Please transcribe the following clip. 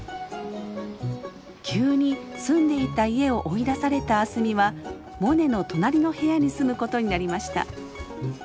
急に住んでいた家を追い出された明日美はモネの隣の部屋に住むことになりました。